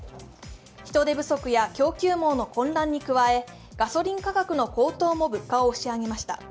人手不足や供給網の混乱に加えガソリン価格の高騰も物価を押し上げました。